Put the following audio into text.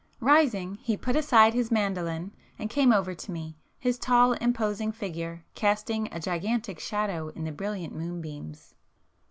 Rising, he put aside his mandoline and [p 379] came over to me, his tall imposing figure casting a gigantic shadow in the brilliant moonbeams.